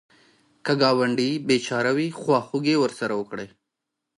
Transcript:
که ګاونډی بېچاره وي، خواخوږي ورسره وکړه